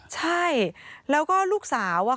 ใช่แล้วก็ลูกสาวอะค่ะ